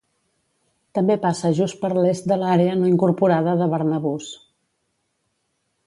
També passa just per l"est de l"àrea no incorporada de Barnabus.